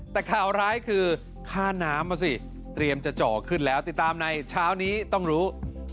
แต่ข่าวร้ายคือค่าน้ำมาสิเตรียมจะเจาะขึ้นแล้วติดตามในเช้านี้ต้องรู้